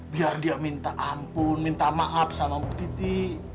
biar dia minta ampun minta maaf sama bu titi